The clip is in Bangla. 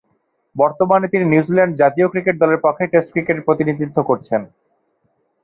বর্তমানে তিনি নিউজিল্যান্ড জাতীয় ক্রিকেট দলের পক্ষে টেস্ট ক্রিকেটে প্রতিনিধিত্ব করছেন।